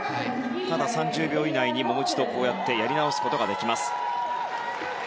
ただ、３０秒以内にもう一度こうやってやり直すことができます。